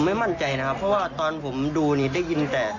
ไม่มั่นใจนะครับเพราะว่าตอนผมดูนี่ได้ยินแต่